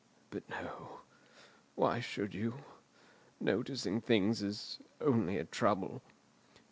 "But, no—why should you? Noticing things is only a trouble.